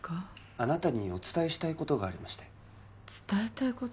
あなたにお伝えしたいことがありまして伝えたいこと？